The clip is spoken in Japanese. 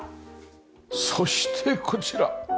そしてこちら！